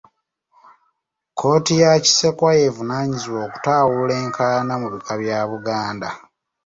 Kkooti ya Kisekwa y'evunaanyizibwa okutaawulula enkaayana mu bika bya Buganda.